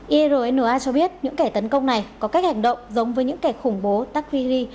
irna cho biết những kẻ tấn công này có cách hành động giống với những kẻ khủng bố taqi